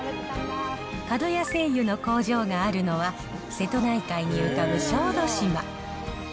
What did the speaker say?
かどや製油の工場があるのは、瀬戸内海に浮かぶ小豆島。